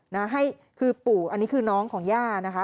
นะให้คือปู่อันนี้คือน้องของย่านะคะ